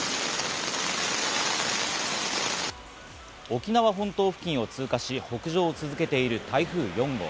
沖縄本島付近を通過し、北上を続けている台風４号。